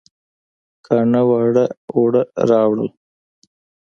کاڼه واړه اوړه راوړل